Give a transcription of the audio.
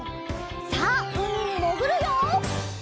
さあうみにもぐるよ！